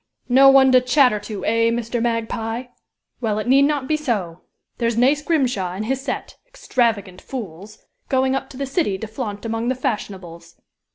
"No one to chatter to, eh, Mr. Magpie! Well, it need not be so! There's Nace Grimshaw, and his set extravagant fools! going up to the city to flaunt among the fashionables.